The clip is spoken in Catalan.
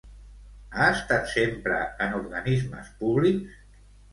Ha estat sempre en organismes públics?